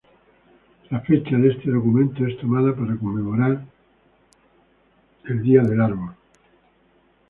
La fecha de este documento es tomada para conmemorar el Día de la Armada.